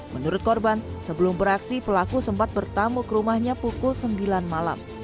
menurut korban sebelum beraksi pelaku sempat bertamu ke rumahnya pukul sembilan malam